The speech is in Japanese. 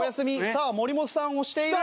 さあ森本さん押している。